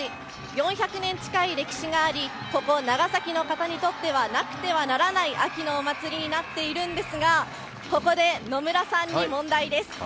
４００年近い歴史があり、ここ、長崎の方にとってはなくてはならない秋のお祭りになっているんですが、ここで野村さんに問題です。